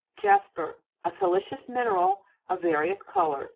JA'SPER A siliceous mineral of vari ous colours.